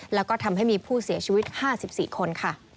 และทำให้มีผู้เสียชีวิต๕๔คน